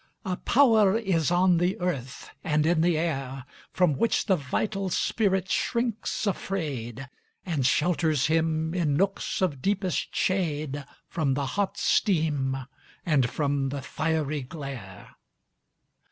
A power is on the earth and in the air From which the vital spirit shrinks afraid, And shelters him, in nooks of deepest shade, From the hot steam and from the fiery glare.